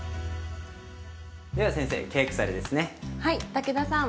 武田さん